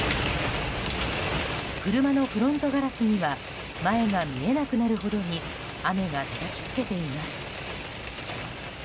車のフロントガラスには前が見えなくなるほどに雨がたたきつけています。